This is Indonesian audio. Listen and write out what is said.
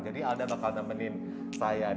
jadi alda bakal temenin saya